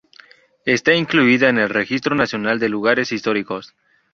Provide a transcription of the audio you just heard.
Está incluida en el Registro Nacional de Lugares Históricos.